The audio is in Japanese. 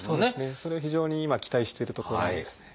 それは非常に今期待しているところですね。